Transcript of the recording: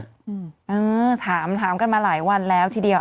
อืมเออถามถามกันมาหลายวันแล้วทีเดียว